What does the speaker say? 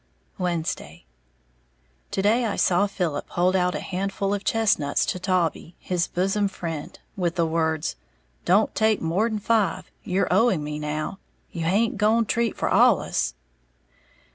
Wednesday. To day I saw Philip hold out a handful of chestnuts to Taulbee, his bosom friend, with the words, "Don't take more'n five, you're owing me now. You haint gone treat for allus!"